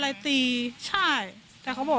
ทำไมคงคืนเขาว่าทำไมคงคืนเขาว่า